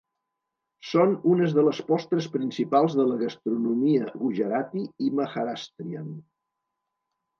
Són unes de les postres principals de la gastronomia Gujarati i Maharashtrian.